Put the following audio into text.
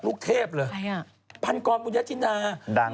ปุ๊ปกกบไปไหนละ